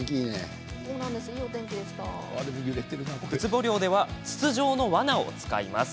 ウツボ漁では筒状のわなを使います。